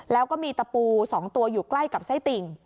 แล้วก็มีตะปู๒ตัวอยู่ใกล้กับไส้ติ่ง